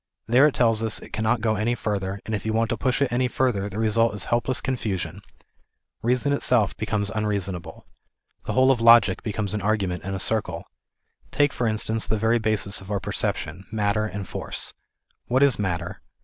There it tells us it cannot go any further, and if you want to push jt any further, the result is helpless confusion ; reason itself becomes unreasonable. The whole of logic becomes an argument in a circle. Take for instance the very basis of our perception, matter and force. What is matter